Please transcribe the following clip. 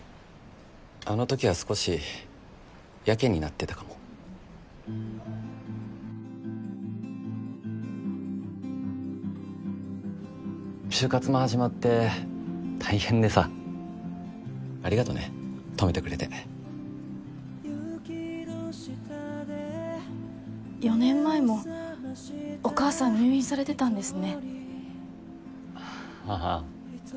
あのときは少しヤケになってたかも就活も始まって大変でさありがとね止めてくれて４年前もお母さん入院されてたんですねああ